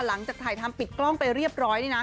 หลังจากถ่ายทำปิดกล้องไปเรียบร้อย